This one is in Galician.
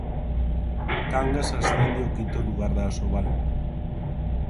Cangas ascende ao quinto lugar da Asobal.